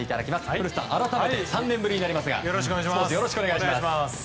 古田さん、改めて３年ぶりになりますがよろしくお願いします。